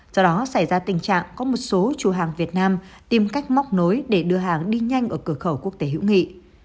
do đó xảy ra tình trạng có một số chủ hàng việt nam tìm cách móc nối để đưa hàng đi nhanh ở cửa khẩu quốc tế hữu nghị